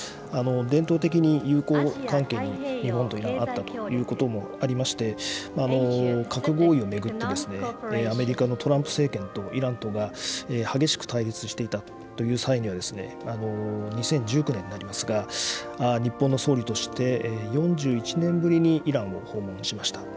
伝統的に友好関係に、日本とあったということもありまして、核合意を巡ってですね、アメリカのトランプ政権とイランとが激しく対立していたという際には、２０１９年になりますが、日本の総理として、４１年ぶりにイランを訪問しました。